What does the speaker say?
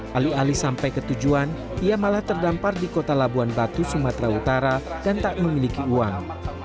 alih alih sampai ke tujuan ia malah terdampar di kota labuan batu sumatera utara dan tak memiliki uang